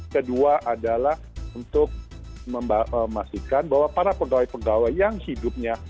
kedua adalah untuk memastikan bahwa para pegawai pegawai yang hidupnya